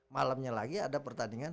malamnya lagi ada pertandingan